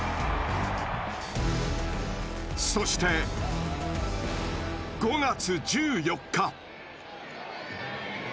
そして５月１４日。